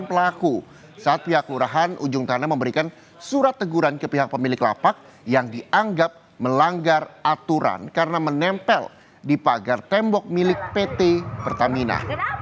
pelaku saat pihak lurahan ujung tanah memberikan surat teguran ke pihak pemilik lapak yang dianggap melanggar aturan karena menempel di pagar tembok milik pt pertamina